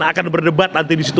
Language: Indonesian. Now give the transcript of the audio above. akan berdebat nanti disitu